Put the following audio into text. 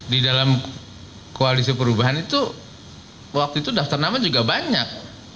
di dalam koalisi perubahan itu waktu itu daftar nama juga banyak